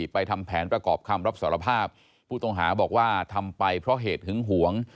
ทำแผนประกอบคำรับสารภาพผู้ต้องหาบอกว่าทำไปเพราะเหตุหึงหวง